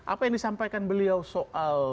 apa yang disampaikan beliau soal